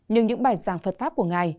nhưng những bài giảng phật pháp của ngài